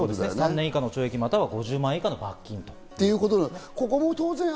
３年以下の懲役または５０万円以下の罰金ということです。